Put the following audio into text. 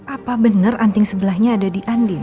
apa benar anting sebelahnya ada di andin